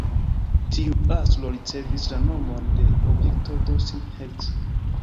Tiu astro ricevis la nomon de "Objekto Dossin-Heck".